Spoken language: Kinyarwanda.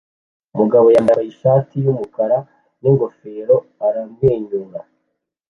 Umugabo yambaye ishati yumukara ningofero aramwenyura